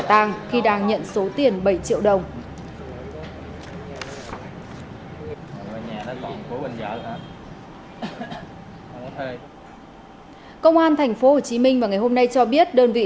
tang khi đang nhận số tiền bảy triệu đồng công an tp hồ chí minh vào ngày hôm nay cho biết đơn vị